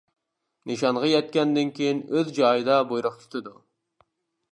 نىشانغا يەتكەندىن كېيىن ئۆز جايىدا بۇيرۇق كۈتىدۇ.